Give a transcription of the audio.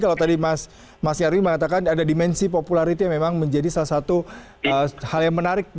kalau tadi mas nyarwi mengatakan ada dimensi popularitas yang memang menjadi salah satu hal yang menarik